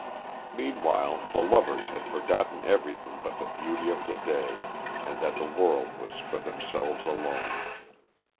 Meanwhile the lovers had forgotten everything but the beauty of the day, and that the world was for themselves alone.